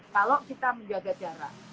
kalau kita menjaga jarak